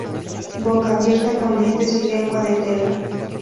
Boca abierta con dientes y lengua de tela.